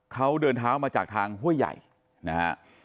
เขาเดินเท้ามาจากทางห้วยใหญ่นะฮะ